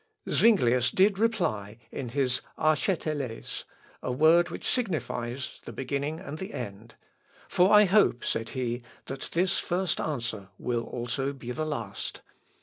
] Zuinglius did reply in his "Archêtelés," a word which signifies the beginning and end, "for I hope," said he, "that this first answer will also be the last."